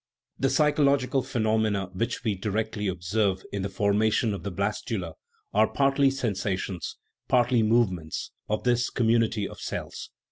The psychological phenomena which we directly observe in the formation of the blastula are partly sensations, partly movements, of this community of cells.